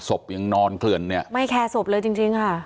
สบยังนอนเหลือเรื่องเนี่ยไม่แคร์สบเลยจริงค่ะ